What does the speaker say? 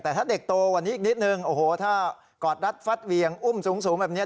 แต่ถ้าเด็กโตกว่านี้อีกนิดนึงโอ้โหถ้ากอดรัดฟัดเวียงอุ้มสูงแบบนี้